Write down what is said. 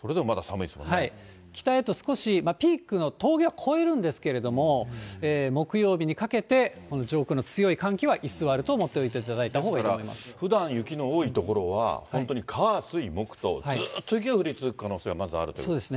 北へと少し、ピークの峠は越えるんですけれども、木曜日にかけて、この上空の強い寒気は居座ると思っておいていただいたほうがいいですから、ふだん雪の多い所は、本当に火、水、木とずっと雪が降り続く可能性がまずあるということですね。